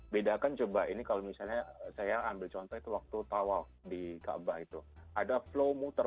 bedakan coba ini kalau misalnya saya ambil contoh itu waktu tawaf di kaabah itu ada flow muter